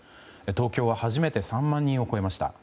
東京は初めて３万人を超えました。